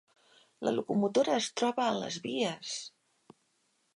La locomotora es troba a les vies!